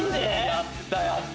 やったやった！